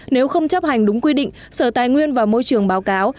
nếu không chấp hành đúng quy định sở tài nguyên và môi trường báo cáo